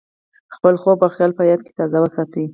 خپل خوب او خیال په یاد کې تازه وساتئ.